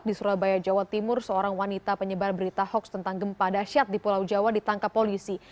di surabaya jawa timur seorang wanita penyebar berita hoax tentang gempa dasyat di pulau jawa ditangkap polisi